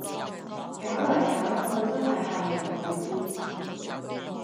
搞嚟搞去都係下游位置